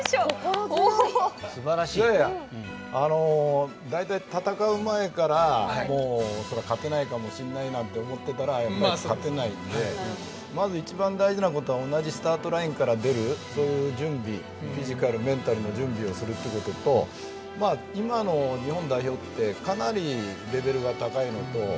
いやいや、大体戦う前から勝てないかもしれないみたいに思ってたら勝てないのでまず一番大事なことは同じスタートラインから出るそういう準備フィジカル、メンタルの準備をするということと今の日本代表はかなりレベルが高いのと。